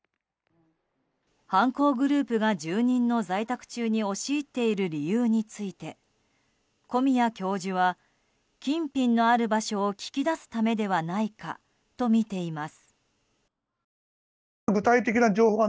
犯行グループが住人の在宅中に押し入っている理由について小宮教授は、金品のある場所を聞き出すためではないかとみています。